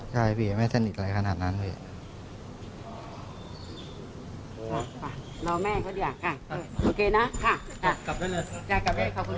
กลับไปเลยขอบคุณค่ะ